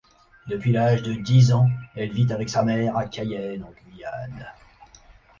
Depuis l'âge de dix ans, elle vit avec sa mère à Cayenne en Guyane.